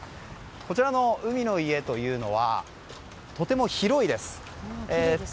こちらの海の家というのはとても広いです。